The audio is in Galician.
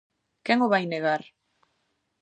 Quen o vai negar?